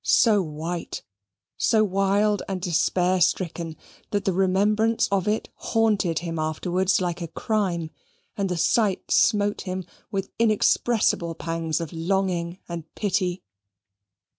So white, so wild and despair stricken, that the remembrance of it haunted him afterwards like a crime, and the sight smote him with inexpressible pangs of longing and pity.